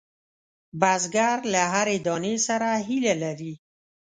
بزګر له هرې دانې سره هیله لري